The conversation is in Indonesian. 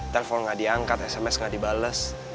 telepon gak diangkat sms gak dibales